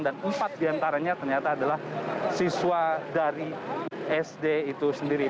dan empat diantaranya ternyata adalah siswa dari sd itu sendiri